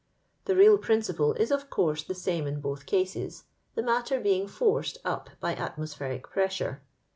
The real principle is of course the same in both cases, the matter being forced up by atmospheric pressure.